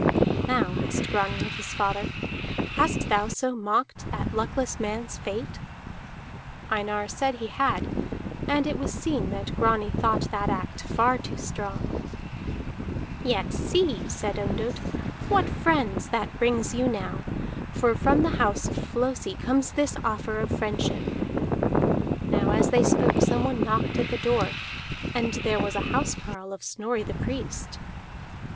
"Now," asked Grani of his father, "hast thou so mocked that luckless man's fate?" Einar said he had, and it was seen that Grani thought that act far too strong. "Yet see," said Ondott, "what friends that brings you now, for from the house of Flosi comes this offer of friendship." Now as they spoke someone knocked at the door, and there was a housecarle of Snorri the Priest.